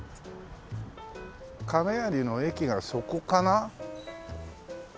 亀有の駅がそこかな？